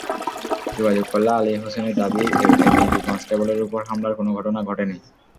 যোগাযোগ করলে আলী হোসেনের দাবি, এপিবি কনস্টেবলের ওপর হামলার কোনো ঘটনা ঘটেনি।